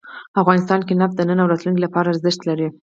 افغانستان کې نفت د نن او راتلونکي لپاره ارزښت لري.